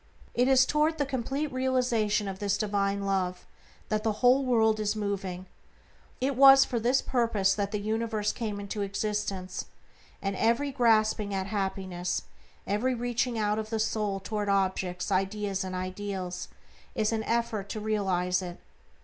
It is toward the complete realization of this divine Love that the whole world is moving; it was for this purpose that the universe came into existence, and every grasping at happiness, every reaching out of the soul toward objects, ideas and ideals, is an effort to realize it.